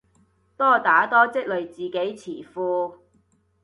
多打多積累自己詞庫